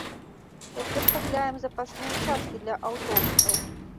Цяпер купляем запасныя часткі для аўтобусаў.